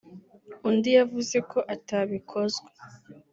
undi yavuze ko atabikozwa